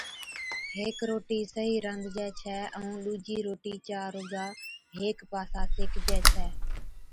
ھيڪ روٽِي صحيح رانڌجَي ڇَي ائُون ڏُوجِي روٽِي چا رُگا ھيڪ پاسا سيڪجَي ڇَي